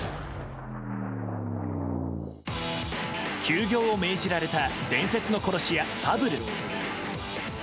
休業を命じられた伝説の殺し屋ファブル。